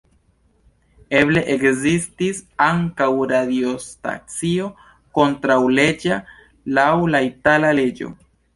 Eble ekzistis ankaŭ radiostacio kontraŭleĝa laŭ la itala leĝo.